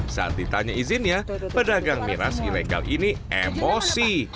saat ditanya izinnya pedagang miras ilegal ini emosi